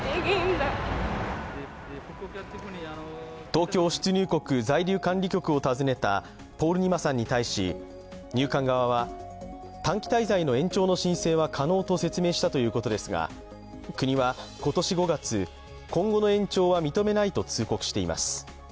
東京出入国在留管理局を訪ねたポールニマさんに対し入管側は、短期滞在の延長の申請は可能と説明したということですが国は今年５月今後の延長は認めないと通告しています。